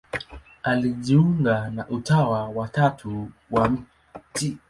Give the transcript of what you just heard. Alijiunga na Utawa wa Tatu wa Mt.